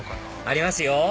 ありますよ